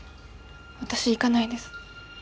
私行かないです。